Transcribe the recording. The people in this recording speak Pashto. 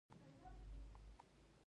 خدای دې زموږ حاصلات ډیر کړي.